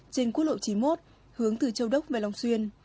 trên quốc lộ chín mươi một hướng từ châu đốc về long xuyên